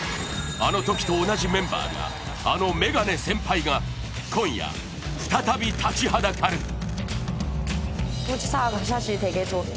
あのときと同じメンバーがあのメガネ先輩が今夜、再び立ちはだかる。